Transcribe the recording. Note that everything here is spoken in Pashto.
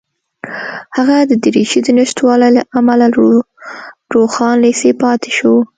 هغه د دریشۍ د نشتوالي له امله له روښان لېسې پاتې شو